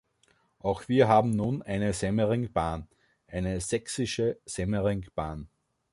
Auch wir haben nun eine Semmeringbahn, eine Sächsische Semmeringbahn.